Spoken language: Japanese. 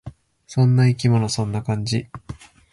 そんな生き物。そんな感じ。